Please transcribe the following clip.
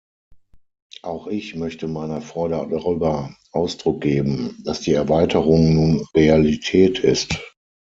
Auch ich möchte meiner Freude darüber Ausdruck geben, dass die Erweiterung nun Realität ist.